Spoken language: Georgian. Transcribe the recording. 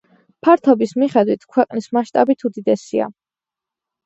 ფართობის მიხედვით ქვეყნის მასშტაბით უდიდესია.